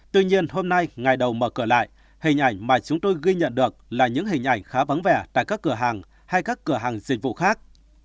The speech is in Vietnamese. tuy nhiên hôm nay ngày đầu mở cửa lại hình ảnh mà chúng tôi ghi nhận được là những hình ảnh khá vắng vẻ tại các cửa hàng hay các cửa hàng dịch vụ khác